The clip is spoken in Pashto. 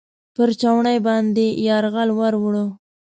پر چوڼۍ باندې یرغل ورووړ.